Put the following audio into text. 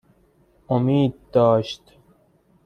امید داشت